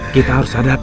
kita harus sadapi